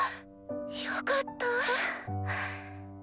よかったぁ！